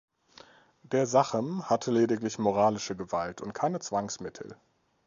Der Sachem hatte lediglich moralische Gewalt und keine Zwangsmittel.